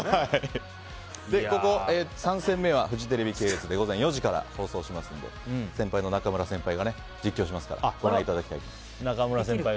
３戦目はフジテレビ系列で午前４時から先輩の中村先輩が実況しますからご覧いただきたいと思います。